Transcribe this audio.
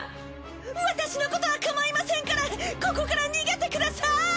私のことは構いませんからここから逃げてください！